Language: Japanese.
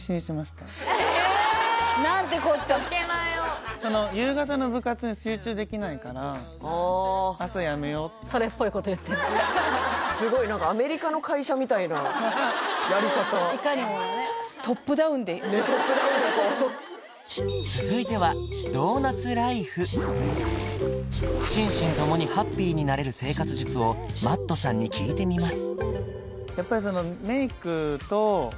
何てこった夕方の部活に集中できないから朝やめようってそれっぽいこと言ってるすごい何かアメリカの会社みたいなやり方トップダウンで続いては心身共にハッピーになれる生活術をＭａｔｔさんに聞いてみます